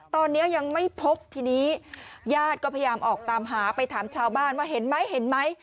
ตอนนี้ยังไม่พบทีนี้ญาติก็พยายามออกตามหาไปถามชาวบ้านว่าเห็นไหมเห็นไหม